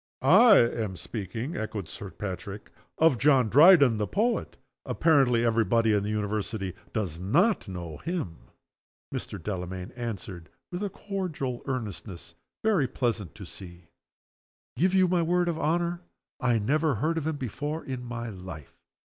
_" "I am speaking," echoed Sir Patrick, "of John Dryden the Poet. Apparently, every body in the University does not know him!" Mr. Delamayn answered, with a cordial earnestness very pleasant to see: "Give you my word of honor, I never heard of him before in my life!